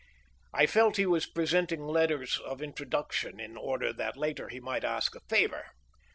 I felt he was presenting letters of introduction in order that later he might ask a favor.